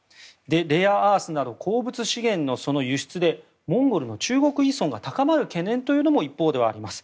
レアアースなど鉱物資源の輸出でモンゴルの中国依存が高まる懸念というのも一方ではあります。